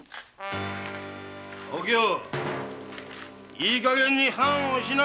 お京いいかげんに判をおしな。